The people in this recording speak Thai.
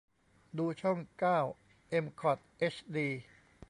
ดูช่องเก้าเอ็มคอตเอชดี